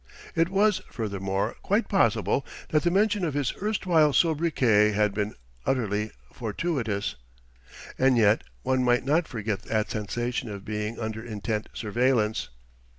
It was, furthermore, quite possible that the mention of his erstwhile sobriquet had been utterly fortuitous. And yet, one might not forget that sensation of being under intent surveillance....